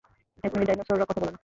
এক মিনিট, ডাইনোসররা কথা বলে না।